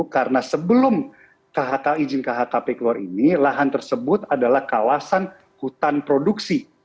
karena sebelum izin khkp keluar ini lahan tersebut adalah kawasan hutan produksi